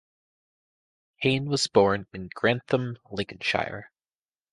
Cain was born in Grantham, Lincolnshire.